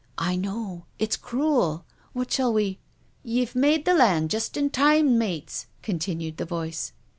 " I know. It's cruel. What shall we—" " Ye've made the land just in time, mates," con tinued the voice.